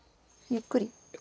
ゆっくり。